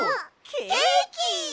ケーキ！